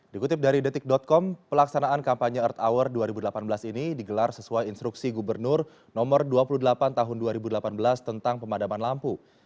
dikutip dari detik com pelaksanaan kampanye earth hour dua ribu delapan belas ini digelar sesuai instruksi gubernur no dua puluh delapan tahun dua ribu delapan belas tentang pemadaman lampu